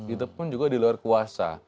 itu pun juga di luar kuasa